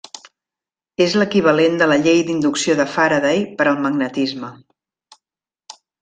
És l'equivalent de la llei d'inducció de Faraday per al magnetisme.